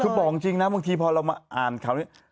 คือบอกจริงนะบางทีพอเรามาอ่านข่าวนี้